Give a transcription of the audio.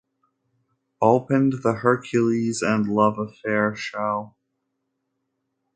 Opened the Hercules and Love Affair show.